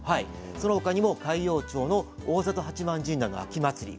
その他にも海陽町の大里八幡神社の秋祭り。